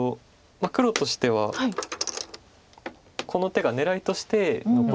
黒としてはこの手が狙いとして残ってます。